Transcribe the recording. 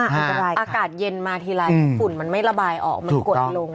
เหมือนที่บอกพออากาศเย็นมาทีไรฝุ่นมันไม่ระบายออกมันกดลง